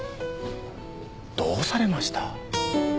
どうされました？